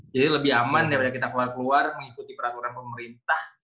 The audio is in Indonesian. jadi lebih aman daripada kita keluar keluar mengikuti peraturan pemerintah